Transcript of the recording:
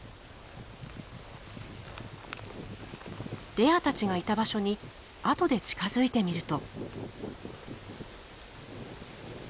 レアたちがいた場所に後で近づいてみると。